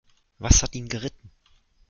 Was hat ihn geritten?